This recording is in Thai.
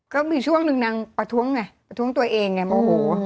ก็มีช่วงหนึ่งนางประท้วงไงประท้วงตัวเองไงโมโห